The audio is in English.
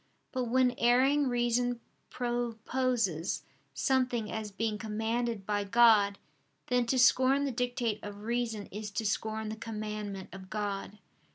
But when erring reason proposes something as being commanded by God, then to scorn the dictate of reason is to scorn the commandment of God.